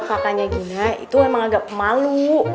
kakaknya gina itu emang agak malu